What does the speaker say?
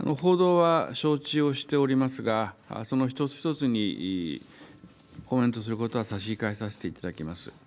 承知をしておりますが、その一つ一つにコメントすることは差し控えさせていただきます。